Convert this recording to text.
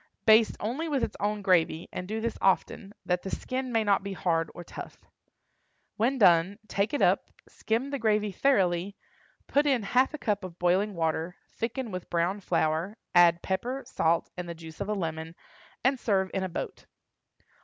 Baste only with its own gravy, and do this often, that the skin may not be hard or tough. When done take it up, skim the gravy thoroughly, put in half a cup of boiling water, thicken with brown flour, add pepper, salt, and the juice of a lemon, and serve in a boat.